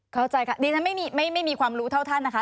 เข้าใจค่ะดิฉันไม่มีความรู้เท่าท่านนะคะ